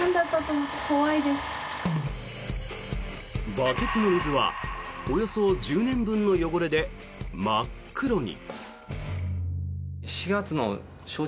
バケツの水はおよそ１０年分の汚れで真っ黒に。